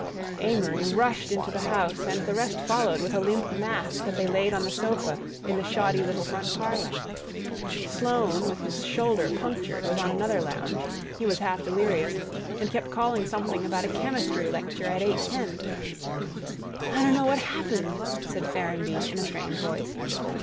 Amory rushed into the house and the rest followed with a limp mass that they laid on the sofa in the shoddy little front parlor. Sloane, with his shoulder punctured, was on another lounge. He was half delirious, and kept calling something about a chemistry lecture at 8:10. "I don't know what happened," said Ferrenby in a strained voice.